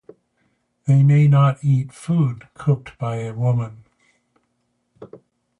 They may not eat food cooked by a woman.